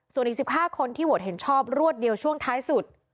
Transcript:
ส่วนอีก๑๕คนที่โหวตเห็นชอบรวดเดียวช่วงท้ายสุด